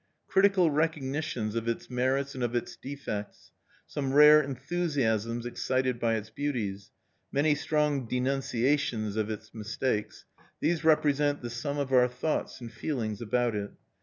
Critical recognitions of its merits and of its defects; some rare enthusiasms excited by its beauties; many strong denunciations of its mistakes: these represent the sum of our thoughts and feelings about it.